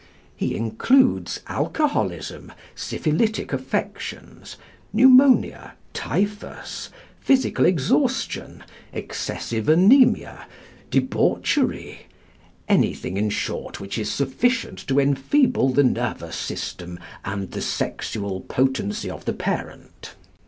He includes alcoholism, syphilitic affections, pneumonia, typhus, physical exhaustion, excessive anæmia, debauchery, "anything in short which is sufficient to enfeeble the nervous system and the sexual potency of the parent."